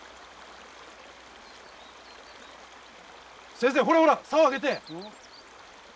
先生ほらほらさお上げて！